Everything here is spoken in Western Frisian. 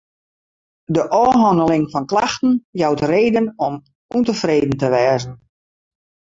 De ôfhanneling fan klachten jout reden om ûntefreden te wêzen.